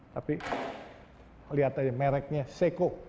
tapi lihat aja mereknya seko